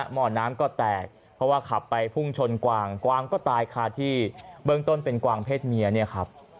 หมอน้ำก็แตกเพราะว่าขับไปพุ่งชนกวางกวางก็ตายคาที่เบื้องต้นเป็นกวางเพศเมียเนี่ยครับ